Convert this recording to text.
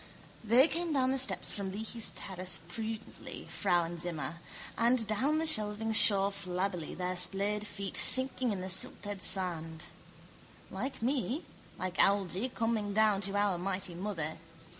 They came down the steps from Leahy's terrace prudently, Frauenzimmer: and down the shelving shore flabbily, their splayed feet sinking in the silted sand. Like me, like Algy, coming down to our mighty mother.